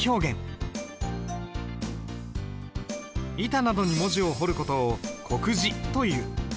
板などに文字を彫る事を刻字という。